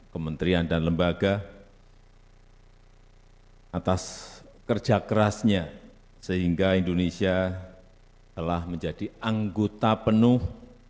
kementerian dan lembaga atas kerja kerasnya sehingga indonesia telah menjadi anggota penuh